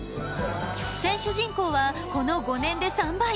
選手人口は、この５年で３倍！